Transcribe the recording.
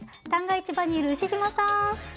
市場にいる牛島さん。